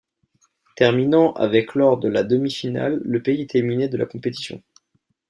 Terminant avec lors de la demi-finale, le pays est éliminé de la compétition.